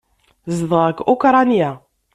Zedɣeɣ deg Ukṛanya.